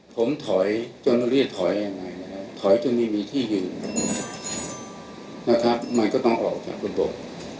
ผมถอยจนเรียกถอยยังไงนะครับถอยจนไม่มีที่ยืนนะครับมันก็ต้องออกจากบนบก